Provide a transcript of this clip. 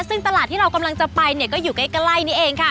ซึ่งตลาดที่เรากำลังจะไปเนี่ยก็อยู่ใกล้นี่เองค่ะ